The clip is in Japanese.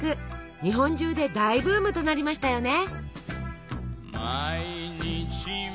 日本中で大ブームとなりましたよね。